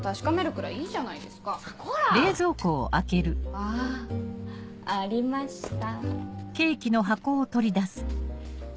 あぁありました。